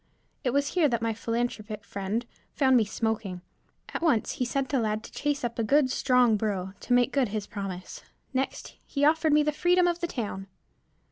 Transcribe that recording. It was here that my philanthropic friend found me smoking. At once, he sent a lad to chase up a good, strong burro to make good his promise; next he offered me the freedom of the town.